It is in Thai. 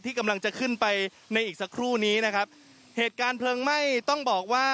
ที่กำลังจะขึ้นไปในอีกสักครู่นี้นะครับ